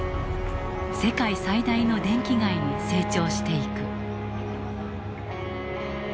世界最大の電気街に成長していく。